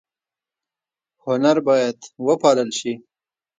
هنر باید وپال ل شي